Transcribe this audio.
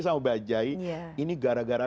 sama bajai ini gara gara